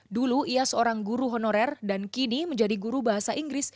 dulu ia seorang guru honorer dan kini menjadi guru bahasa inggris